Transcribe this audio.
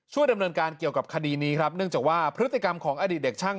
ดำเนินการเกี่ยวกับคดีนี้ครับเนื่องจากว่าพฤติกรรมของอดีตเด็กช่าง